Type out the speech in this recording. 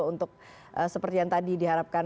untuk seperti yang tadi diharapkan